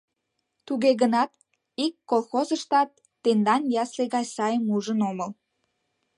Туге гынат ик колхозыштат тендан ясле гай сайым ужын омыл.